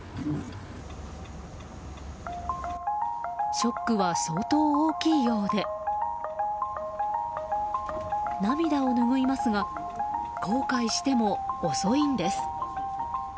ショックは相当大きいようで涙をぬぐいますが後悔しても遅いんです。